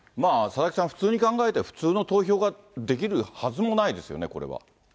佐々木さん、普通に考えて、普通の投票ができるはずもないですよね、これは。